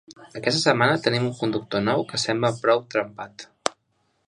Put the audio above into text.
Aquesta setmana tenim un conductor nou que sembla prou trempat